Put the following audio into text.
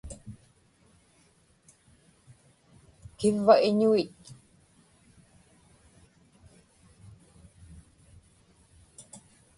kivva iñuit